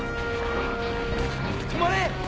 止まれ！